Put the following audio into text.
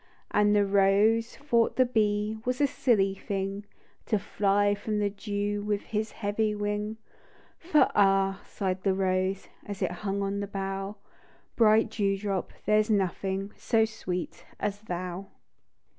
And the rose thought the bee Was a silly thing, To fly from the dew With his heavy wing ; For " Ah," sighed the rose, As it hung on the bough, " Bright dew drop, there's nothing So sweet as thou